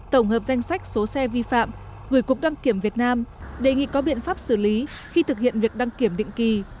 tổng hợp danh sách số xe vi phạm gửi cục đăng kiểm việt nam đề nghị có biện pháp xử lý khi thực hiện việc đăng kiểm định kỳ